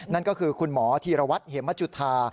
นั่นก็คือคุณหมอธีรวัตรเหมจุธา